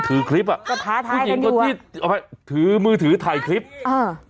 ถือคลิปอ่ะผู้หญิงคนที่เอาไปถือมือถือถ่ายคลิปอ่า